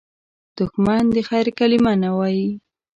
دښمن د خیر کلمه نه وايي